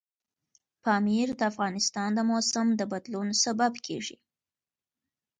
پامیر د افغانستان د موسم د بدلون سبب کېږي.